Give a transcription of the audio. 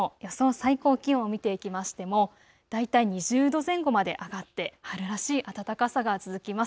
最高気温を見ていきましても大体２０度前後まで上がって春らしい暖かさが続きます。